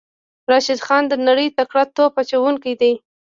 راشد خان د نړۍ تکړه توپ اچوونکی دی.